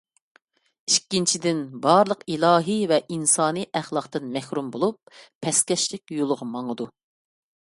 ئىككىنچىدىن، بارلىق ئىلاھىي ۋە ئىنسانىي ئەخلاقتىن مەھرۇم بولۇپ، پەسكەشلىك يولىغا ماڭىدۇ.